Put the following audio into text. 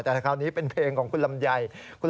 แต่คราวนี้เป็นเพลงของคุณลำไย